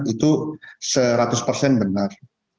itu seratus persen benar